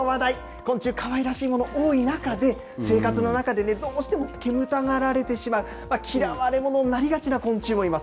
昆虫、かわいらしいもの多い中で、生活の中でどうしても煙たがれてしまう、嫌われものになりがちな昆虫もいます。